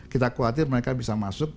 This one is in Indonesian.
kita khawatir mereka bisa masuk